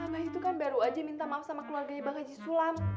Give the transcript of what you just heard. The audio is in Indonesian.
mbak itu kan baru aja minta maaf sama keluarganya bang haji sulam